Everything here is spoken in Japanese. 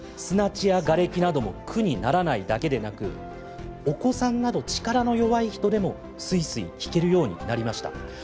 砂地やがれきなども苦にならないだけでなくお子さんなど力の弱い人でもすいすい引けるようになりました。